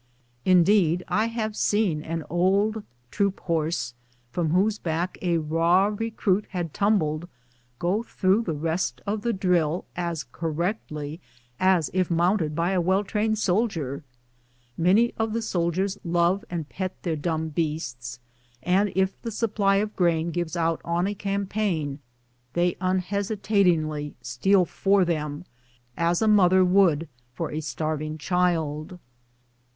Indeed, I have seen an old troop horse, from whose back a raw recruit had tumbled, go through the rest of the drill as correctly as if mounts 120 BOOTS AND SADDLES. ed by a well trained soldier. Many of the soldiers love and pet their dumb beasts, and if the supply of grain gives out on a campaign they unhesitatingly steal for them, as a mother would for a starving child.